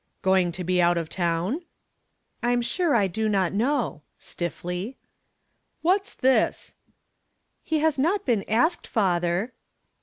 "Going to be out of town?" "I'm sure I do not know," stiffly. "What's this?" "He has not been asked, father."